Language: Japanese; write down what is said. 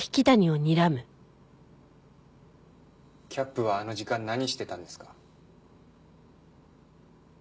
キャップはあの時間何してたんですか？